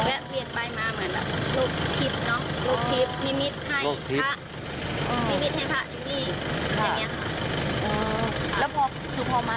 แต่ไปไหนเราม๊ดูหรอก่ะ